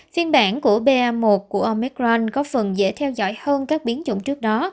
phiên bản của ba một của omicron có phần dễ theo dõi hơn các biến chủng trước đó